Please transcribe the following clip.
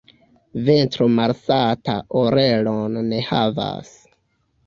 Ventro malsata orelon ne havas.